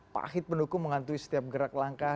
pahit pendukung menghantui setiap gerak langkah